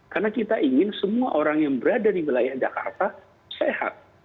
karena kita ingin semua orang yang berada di wilayah jakarta sehat